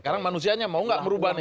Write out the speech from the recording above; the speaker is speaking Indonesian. sekarang manusianya mau nggak merubah nih